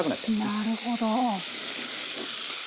なるほど。